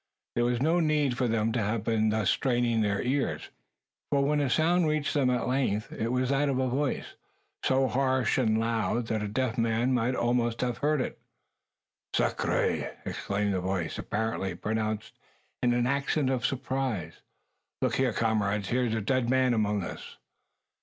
There was no need for them to have been thus straining their ears: for when a sound reached them at length, it was that of a voice, so harsh and loud, that a deaf man might almost have heard it. "Sacre!" exclaimed the voice, apparently pronounced in an accent of surprise, "look here, comrades! Here's a dead man among us!"